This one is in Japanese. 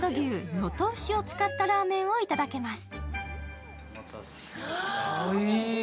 能登牛を使ったラーメンをいただけます。